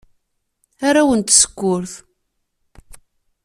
Arraw n tsekkurt.